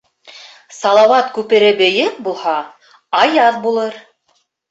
Салауат күпере бейек булһа, аяҙ булыр